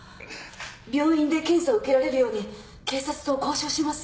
病院で検査を受けられるように警察と交渉します。